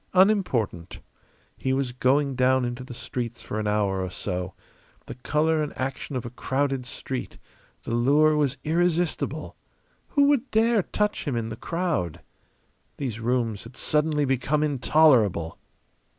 Unimportant. He was going down into the streets for an hour or so. The colour and action of a crowded street; the lure was irresistible. Who would dare touch him in the crowd? These rooms had suddenly become intolerable.